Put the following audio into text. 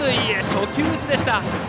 初球打ちでした。